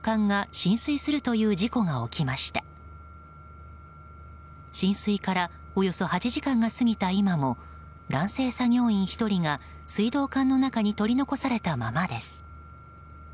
浸水からおよそ８時間が過ぎた今も男性作業員１人が水道管の中に取り残されたままです。